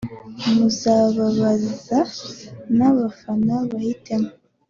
muzababaza n’abafana bahitemo